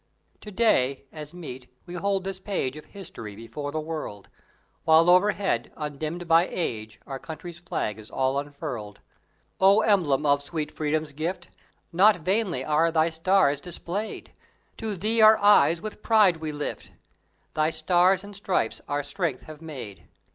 To day, as meet, we hold this page Of History before the world; While overhead, undimmed by age Our country's flag is all unfurled! O emblem of sweet Freedom's gift, Not vainly are thy stars displayed! To thee our eyes with pride we lift; Thy Stars and Stripes our strength have made.